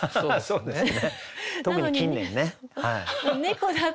そうですね。